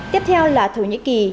tiếp theo là thổ nhĩ kỳ